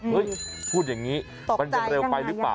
พูดอย่างนี้มันจะเร็วไปหรือเปล่า